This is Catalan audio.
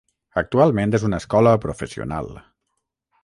Actualment és una escola professional.